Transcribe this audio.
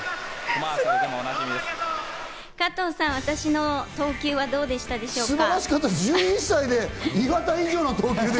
加藤さん、私の投球はどうでしたでしょうか？